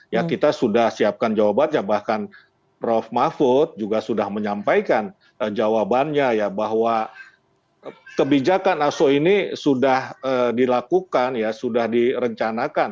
ya kita sudah siapkan jawabannya bahkan prof mahfud juga sudah menyampaikan jawabannya ya bahwa kebijakan aso ini sudah dilakukan ya sudah direncanakan